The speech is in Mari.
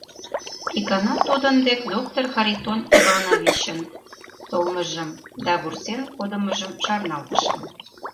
Икана тудын дек доктор Харитон Ивановичын толмыжым да вурсен кодымыжым шарналтышым.